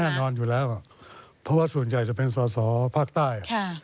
นอนอยู่แล้วเพราะว่าส่วนใหญ่จะเป็นสอสอภาคใต้